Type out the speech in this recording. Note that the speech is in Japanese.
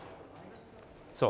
そう。